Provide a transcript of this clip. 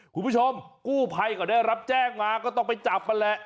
คุณผู้ชมกู้ภัยเขาได้รับแจ้งมาก็ต้องไปจับมันแหละ